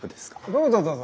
どうぞどうぞ。